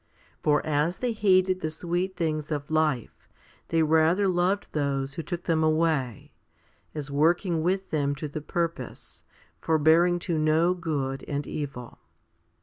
For as they hated the sweet things of life, they rather loved those who took them away, as working with them to the purpose, forbearing to know good and evil.